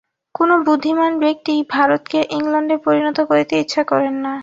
কোন বুদ্ধিমান ব্যক্তিই ভারতকে ইংলণ্ডে পরিণত করিতে ইচ্ছা করেন না।